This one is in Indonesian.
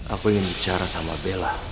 aku ingin bicara sama bella